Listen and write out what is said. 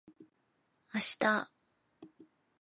明日